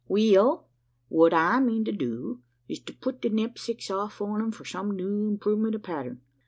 We ell, what I mean to do is to put the knepsacks off on 'em for some new improvement o' pattern.